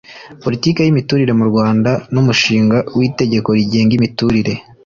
Politiki y imiturire mu rwanda n umushinga w itegeko rigenga imiturire